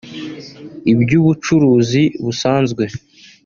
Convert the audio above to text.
iby’ubucuruzi busanzwe